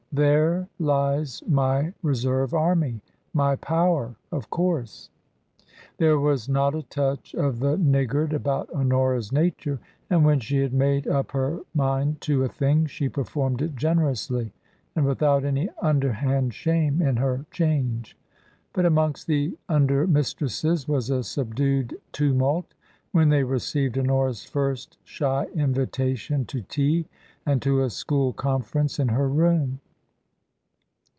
There lies my reserve army — my power — of course." There was not a touch of the niggard about Honora's nature, and when she had made up her mind to a thing she performed it generously and without any underhand shame in her change. But amongst the under mis tresses was a subdued tumult when they received Honora's first shy invitation to tea and to a school conference in her room.